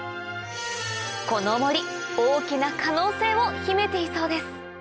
この森大きな可能性を秘めていそうです